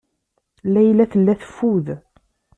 Layla tella teffud.